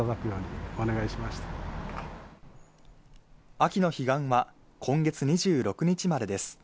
秋の彼岸は今月２６日までです。